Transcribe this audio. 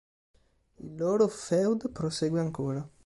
Il loro feud prosegue ancora.